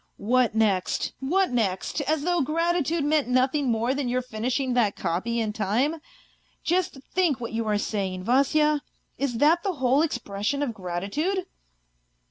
" What next, what next ! As though gratitude meant nothing more than your finishing that copy in time ? Just think what you are saying, Vasya ? Is that the whole expression of gratitude